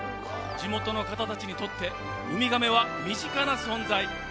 地元の方たちにとってウミガメは身近な存在。